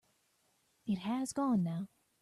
It has gone now.